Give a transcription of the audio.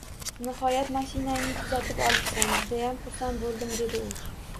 — Nihoyat mashinangni tuzatib olibsan, judayam xursand bo‘ldim, — dedi u.